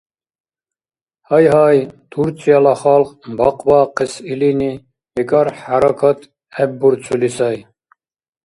Гьайгьай. Турцияла халкь бахъбаахъес илини, бикӀар, хӀяракат гӀеббурцули сай.